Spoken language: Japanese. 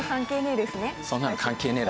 「そんなの関係ねぇ！」